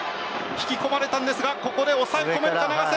引き込まれたんですがここで抑え込めるか永瀬。